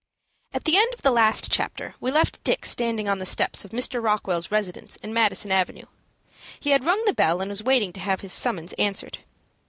At the end of the last chapter we left Dick standing on the steps of Mr. Rockwell's residence in Madison Avenue. He had rung the bell and was waiting to have his summons answered.